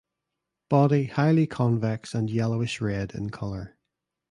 Body highly convex and yellowish red in color.